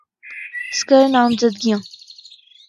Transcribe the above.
سکر نامزدگیاں